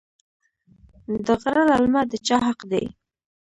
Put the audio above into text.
د غره للمه د چا حق دی؟